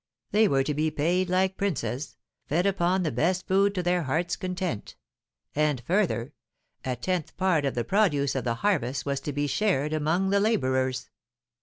They were to be paid like princes, fed upon the best food to their hearts' content; and further, a tenth part of the produce of the harvest was to be shared among the labourers.